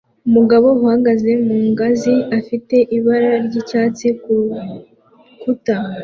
Umugabo uhagaze mu ngazi afite ibara ry'icyatsi ku rukuta